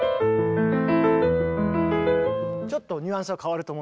ちょっとニュアンスは変わると思う。